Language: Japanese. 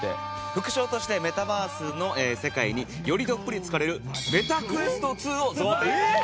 副賞としてメタバースの世界によりどっぷり浸かれるＭｅｔａＱｕｅｓｔ２を贈呈致します。